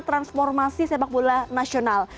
transformasi sepak bola nasional